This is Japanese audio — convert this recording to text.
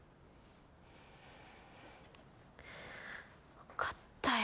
わかったよ。